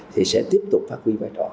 thì sẽ tiếp tục phát huy vai trò